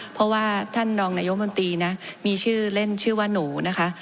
เพราะว่าท่านรองนายกมนตรีนะมีชื่อเล่นชื่อว่าหนูนะคะ